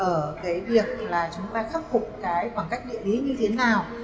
ở việc chúng ta khắc phục khoảng cách địa lý như thế nào